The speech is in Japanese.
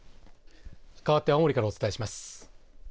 かわって青森からお伝えします。